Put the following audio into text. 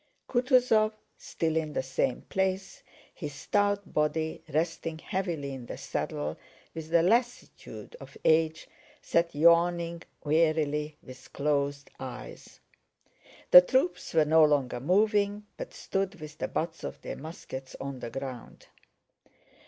Kutúzov still in the same place, his stout body resting heavily in the saddle with the lassitude of age, sat yawning wearily with closed eyes. The troops were no longer moving, but stood with the butts of their muskets on the ground.